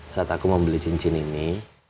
saat aku membeli cincin ini